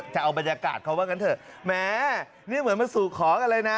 จะเอาบรรยากาศเขาว่างั้นเถอะแหมนี่เหมือนมาสู่ขออะไรนะ